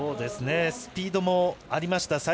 スピードもありました。